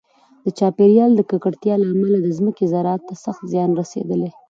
د چاپیریال د ککړتیا له امله د ځمکې زراعت ته سخت زیان رسېدلی.